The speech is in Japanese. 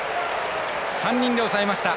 ３人で抑えました。